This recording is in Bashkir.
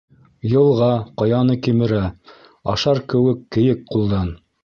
Йылға, ҡаяны кимерә Ашар кеүек кейек ҡулдан.